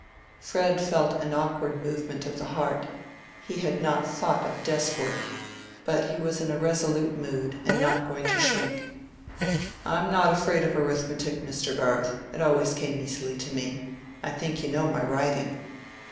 Fred felt an awkward movement of the heart; he had not thought of desk work; but he was in a resolute mood, and not going to shrink. "I'm not afraid of arithmetic, Mr. Garth: it always came easily to me. I think you know my writing."